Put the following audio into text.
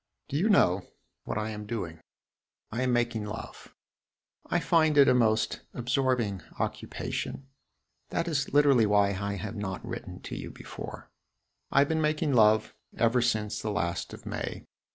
Do you know what I am doing? I am making love. I find it a most absorbing occupation. That is literally why I have not written to you before. I have been making love ever since the last of May.